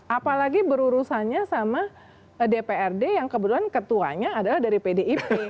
apalagi berurusannya sama dprd yang kebetulan ketuanya adalah dari pdip